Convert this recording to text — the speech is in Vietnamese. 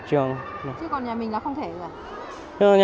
chứ còn nhà mình là không thể